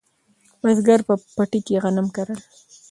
بزګر په پټي کې غنم کرل